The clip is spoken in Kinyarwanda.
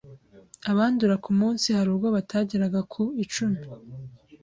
abandura ku munsi hari ubwo batageraga ku icumi.